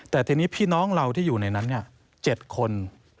แต่ทีนี้พี่น้องเราที่อยู่ในนั้น๗คน